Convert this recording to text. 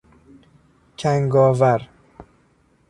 کنگاور